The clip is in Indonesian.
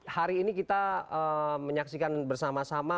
hari ini kita menyaksikan bersama sama